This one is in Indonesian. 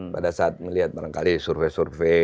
pada saat melihat barangkali survei survei